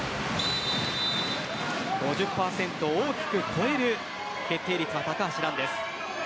５０％を大きく超える決定率高橋藍です。